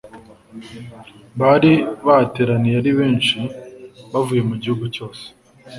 bari bahateraniye ari benshi bavuye mu gihugu cyose